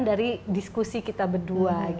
dari diskusi kita berdua